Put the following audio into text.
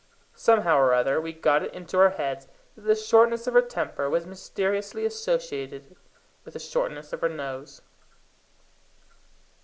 Somehow or other we got it into our heads that the shortness of her temper was mysteriously associated with the shortness of her nose.